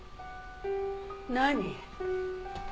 何？